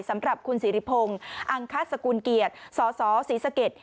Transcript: สำหรับคุณสิริพงอังคัตสกุลเกียรติสสศิษภกษ์